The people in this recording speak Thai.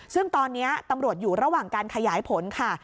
ซึ่งตอนนี้ตำรวจอยู่ระหว่างการขยายผลค่ะ